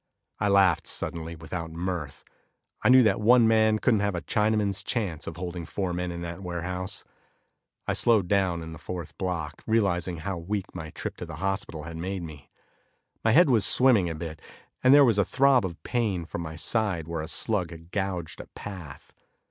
I laughed suddenly without mirth; I knew that one man didn't have a Chinaman's chance of holding four men in that warehouse. I slowed down in the fourth block, realizing how weak my trip to the hospital had made me. My head was swimming a bit, and there was a throb of pain from my side where a slug had gouged a path.